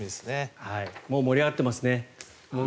もう盛り上がってますね。